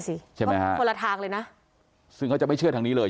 ใช่ไหมฮะคนละทางเลยนะซึ่งเขาจะไม่เชื่อทางนี้เลย